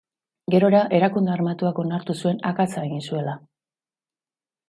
Gerora, erakunde armatuak onartu zuen akatsa egin zuela.